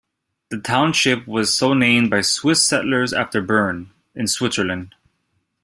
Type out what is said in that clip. The township was so named by Swiss settlers after Bern, in Switzerland.